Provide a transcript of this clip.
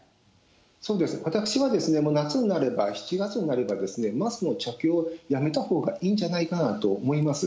そうです、私は、もう夏になれば、７月になれば、マスクの着用やめたほうがいいんじゃないかなと思います。